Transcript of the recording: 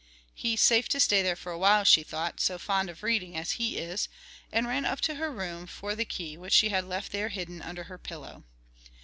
"He's safe to stay there for awhile," she thought, "so fond of reading as he is," and ran up to her room for the key, which she had left there hidden under her pillow.